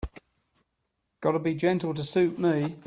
Gotta be gentle to suit me.